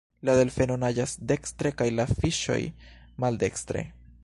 La Delfeno naĝas dekstre, kaj la Fiŝoj maldekstre.